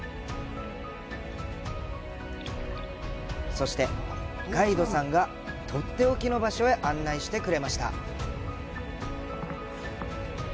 そして、ガイドさんがとっておきの場所へ案内してくれました。